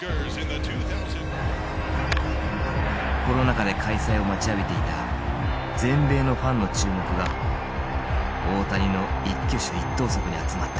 コロナ禍で開催を待ちわびていた全米のファンの注目が大谷の一挙手一投足に集まった。